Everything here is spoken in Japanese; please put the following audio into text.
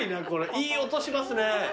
いい音しますね。